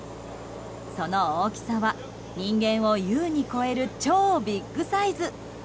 その大きさは人間を優に超える超ビッグサイズ！